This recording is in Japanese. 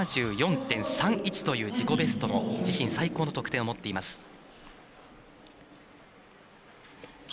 ７４．３１という自己ベスト自身最高の得点を持っています。